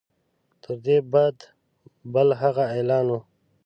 تر دې بد بل هغه اعلان وو.